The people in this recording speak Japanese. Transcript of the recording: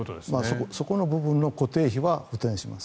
その部分の固定費は補てんします。